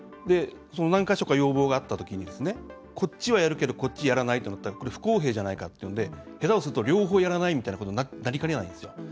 何か所が要望があったときにこっちは、やるけどこっち、やらないとなったら不公平じゃないかっていうので下手をすると両方やらないみたいなことになりかねないんですよ。